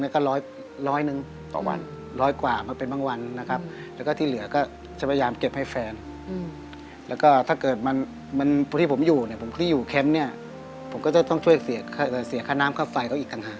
มาเป็นเรื่องผมก็จะช่วยเสียค่าน้ำค่าฟเลร์เค้าอีกทางหาก